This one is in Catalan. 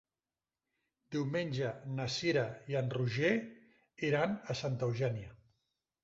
Diumenge na Cira i en Roger iran a Santa Eugènia.